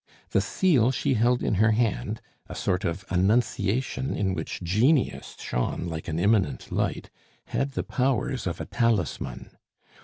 The seal she held in her hand a sort of Annunciation in which genius shone like an immanent light had the powers of a talisman.